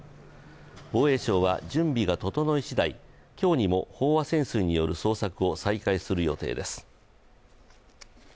防衛省は準備が整いしだい、今日にも飽和潜水による捜索を再開する予定です。